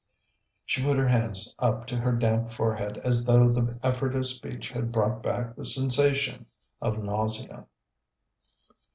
She put her hands up to her damp forehead as though the effort of speech had brought back the sensation of nausea.